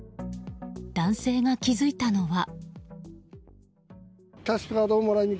男性が気付いたのは。